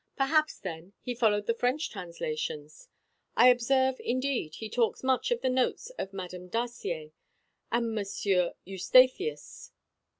Perhaps, then, he followed the French translations. I observe, indeed, he talks much in the notes of Madam Dacier and Monsieur Eustathius."